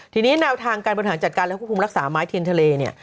ทีนี้แนวทางการบริหารจัดการและควบคุมรักษาไม้เทียนทะเลเนี่ย